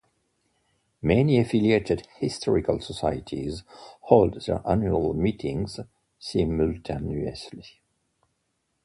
Many affiliated historical societies hold their annual meetings simultaneously.